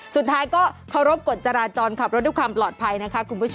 สุดท้ายก็เคารพกฎจราจรขับรถด้วยความปลอดภัยนะคะคุณผู้ชม